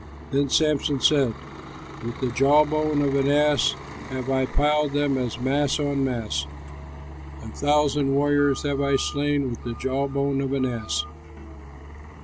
Then Samson said: "With the jaw bone of an ass have I piled them, mass on mass; A thousand warriors have I slain with the jaw bone of an ass."